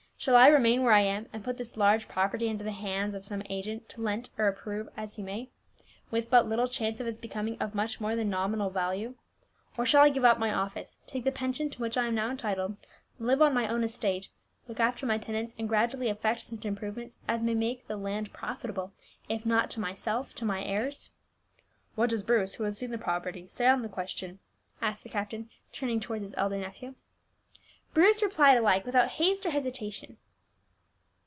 "Shall I remain where I am, and put this large property into the hands of some agent to let or improve as he may, with but little chance of its becoming of much more than nominal value; or shall I give up my office, take the pension to which I am now entitled, live on my own estate, look after my tenants, and gradually effect such improvements as may make the land profitable, if not to myself, to my heirs?" "What does Bruce, who has seen the property, say on the question?" asked the captain, turning towards his elder nephew. Bruce replied alike without haste or hesitation.